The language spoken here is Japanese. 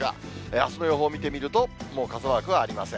あすの予報見てみると、もう傘マークはありません。